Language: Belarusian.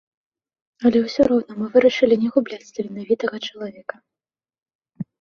Але ўсё роўна мы вырашылі не губляць таленавітага чалавека.